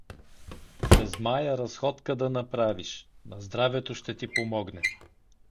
През мая разходка да направиш, на здравето ще ти помогне.